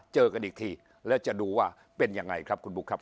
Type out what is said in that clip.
เจอกันอีกทีแล้วจะดูว่าเป็นยังไงครับคุณบุ๊คครับ